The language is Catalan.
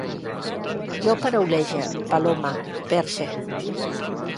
Jo paraulege, palome, perxe